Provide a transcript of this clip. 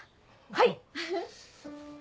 はい！